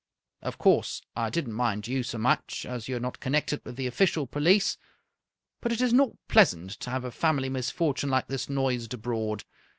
Of course, I did not mind you so much, as you are not connected with the official police, but it is not pleasant to have a family misfortune like this noised abroad.